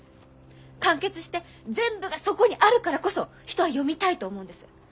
完結して全部がそこにあるからこそ人は読みたいと思うんです。